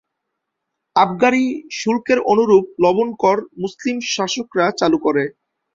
আবগারি শুল্কের অনুরূপ লবণ কর মুসলিম শাসকরা চালু করে।